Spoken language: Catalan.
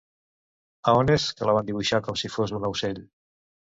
A on és que la van dibuixar com si fos un aucell?